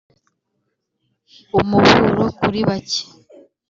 umuburo kuri bake: